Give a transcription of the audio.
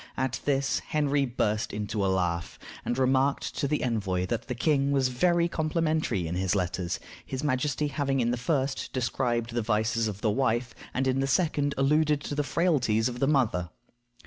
At this Henry burst into a laugh, and remarked to the envoy that the king was very complimentary in his letters, his majesty having in the first described the vices of the wife, and in the second alluded to the frailties of the mother.